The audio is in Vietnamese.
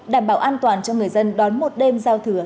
đảm bảo an toàn cho người dân đón một đêm giao thừa